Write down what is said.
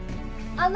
あの。